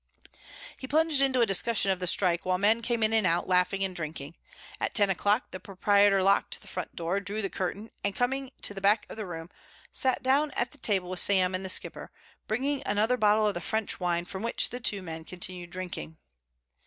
He plunged into a discussion of the strike while men came in and out, laughing and drinking. At ten o'clock the proprietor locked the front door, drew the curtain, and coming to the back of the room sat down at the table with Sam and The Skipper, bringing another bottle of the French wine from which the two men continued drinking.